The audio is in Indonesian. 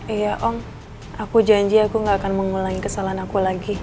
iya om aku janji aku gak akan mengulangi kesalahan aku lagi